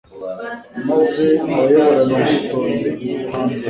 maze abayoborana ubwitonzi n’ubuhanga